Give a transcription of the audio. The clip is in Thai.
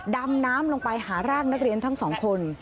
ดำน้ำลงไปหาร่างนักเรียนทั้งสองคน